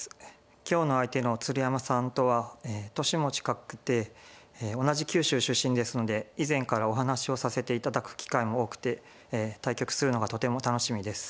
今日の相手の鶴山さんとは年も近くて同じ九州出身ですので以前からお話をさせて頂く機会も多くて対局するのがとても楽しみです。